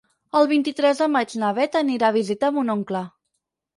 El vint-i-tres de maig na Beth anirà a visitar mon oncle.